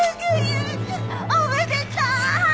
おめでとう！